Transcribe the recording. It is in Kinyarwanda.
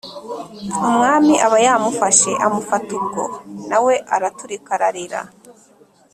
umwami aba yamufashe, amufata ubwo na we araturika ararira,